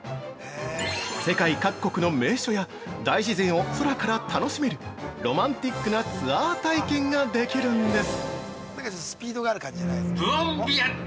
世界各国の名所や大自然を空から楽しめるロマンティックなツアー体験ができるんです！